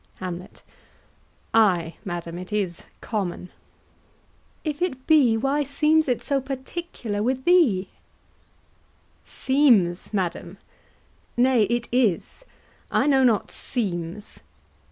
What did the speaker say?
HAMLET. Ay, madam, it is common. QUEEN. If it be, Why seems it so particular with thee? HAMLET. Seems, madam! Nay, it is; I know not seems.